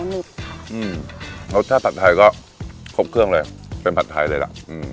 รสชาติผัดไทยก็ครบเครื่องเลยเป็นผัดไทยเลยล่ะ